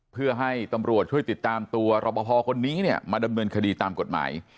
เพื่อให้ตำรวจช่วยติดตามตัวรอปภคนนี้เนี่ยมาดำเนินคดีตามกฎหมาย